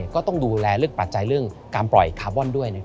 ก็ต้องดูแลเรื่องปัจจัยเรื่องการปล่อยคาร์บอนด้วย